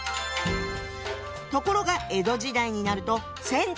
ところが江戸時代になると銭湯が登場。